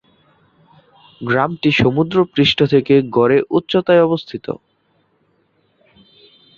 গ্রামটি সমুদ্রপৃষ্ঠ থেকে গড়ে উচ্চতায় অবস্থিত।